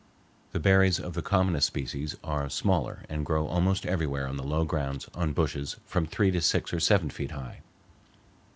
The berries of the commonest species are smaller and grow almost everywhere on the low grounds on bushes from three to six or seven feet high.